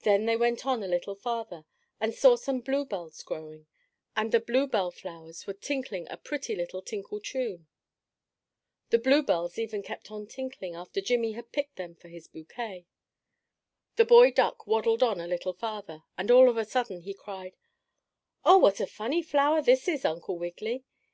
Then they went on a little farther and saw some bluebells growing, and the bluebell flowers were tinkling a pretty little tinkle tune. The bluebells even kept on tinkling after Jimmie had picked them for his bouquet. The boy duck waddled on a little farther and all of a sudden, he cried: "Oh, what a funny flower this is, Uncle Wiggily.